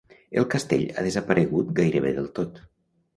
El castell ha desaparegut gairebé del tot.